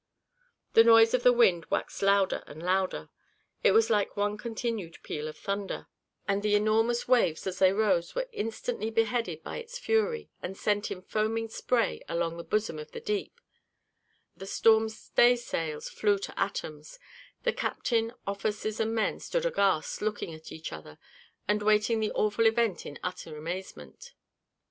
The noise of the wind "waxed louder and louder;" it was like one continued peal of thunder; and the enormous waves as they rose were instantly beheaded by its fury, and sent in foaming spray along the bosom of the deep; the storm stay sails flew to atoms; the captain, officers, and men, stood aghast, looking at each other, and waiting the awful event in utter amazement.